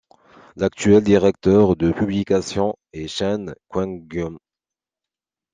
L'actuel directeur de publication est Chen Qingyun.